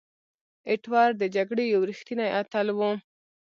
ایټور د جګړې یو ریښتینی اتل وو.